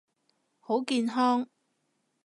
好健康！